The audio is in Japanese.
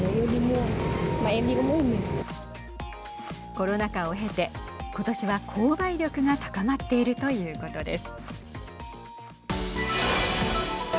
コロナ禍を経て今年は購買力が高まっているということです。